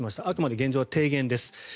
あくまで現状は提言です。